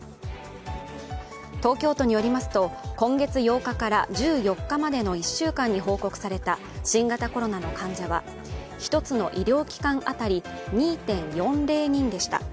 東京都によりますと今月８日から１４日までの１週間に報告された新型コロナの患者は１つの医療機関当たり２．４０人でした。